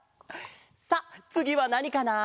さあつぎはなにかな？